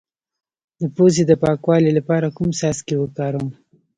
د پوزې د پاکوالي لپاره کوم څاڅکي وکاروم؟